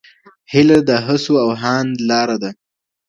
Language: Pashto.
هیله د هڅو او هاند لار ده.